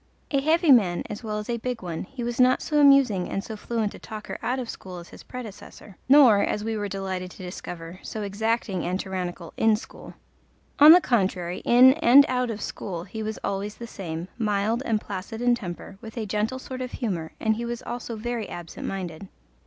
A heavy man as well as a big one, he was not so amusing and so fluent a talker out of school as his predecessor, nor, as we were delighted to discover, so exacting and tyrannical in school. On the contrary, in and out of school he was always the same, mild and placid in temper, with a gentle sort of humour, and he was also very absent minded.